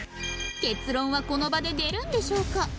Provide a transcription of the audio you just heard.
結論はこの場で出るんでしょうか？